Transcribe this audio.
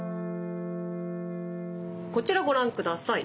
こちらご覧下さい。